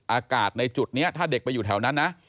อากาศในจุดนี้ถ้าเด็กไปอยู่แถวนั้นนะ